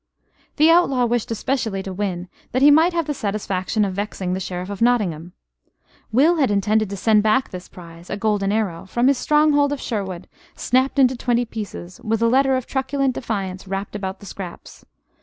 The outlaw wished especially to win that he might have the satisfaction of vexing the Sheriff of Nottingham. Will had intended to send back this prize a golden arrow from his stronghold of Sherwood, snapped into twenty pieces, with a letter of truculent defiance wrapped about the scraps.